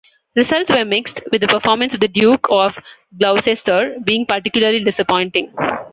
Results were mixed, with the performance of the "Duke of Gloucester" being particularly disappointing.